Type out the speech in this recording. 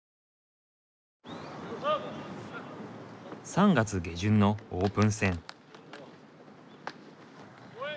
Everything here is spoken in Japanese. ３月下旬のオープン戦。